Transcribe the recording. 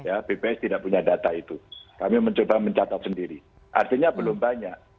ya bps tidak punya data itu kami mencoba mencatat sendiri artinya belum banyak